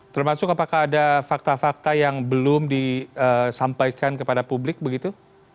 termasuk apakah ada fakta fakta yang belum disampaikan kepada publik begitu